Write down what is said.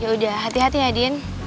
yaudah hati hati ya din